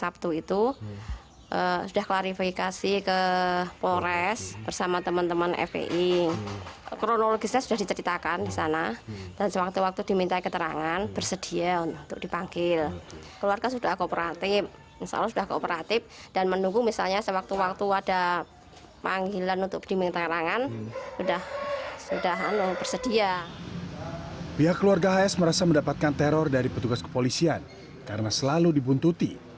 pihak keluarga hs merasa mendapatkan teror dari petugas kepolisian karena selalu dibuntuti